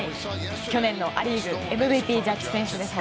去年のア・リーグＭＶＰジャッジ選手ですか。